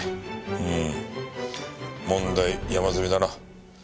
うん問題山積みだな。